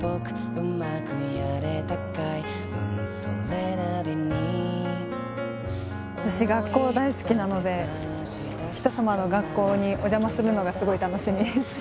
選んだのは私学校大好きなので人様の学校にお邪魔するのがすごい楽しみ。